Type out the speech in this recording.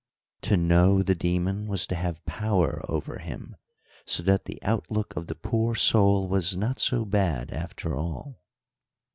To know the demon was to have power over him, so that the outlook of the poor soul was not so bad, after all.